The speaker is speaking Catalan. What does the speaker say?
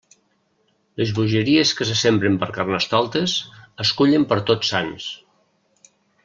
Les bogeries que se sembren per Carnestoltes es cullen per Tots Sants.